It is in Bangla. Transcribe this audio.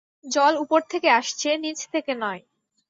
জল উপর থেকে আসছে, নিচ থেকে নয়।